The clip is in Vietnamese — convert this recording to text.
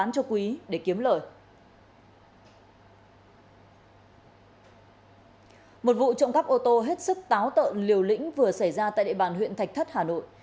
chiếc ô tô hết sức táo tợ liều lĩnh vừa xảy ra tại địa bàn huyện thạch thất hà nội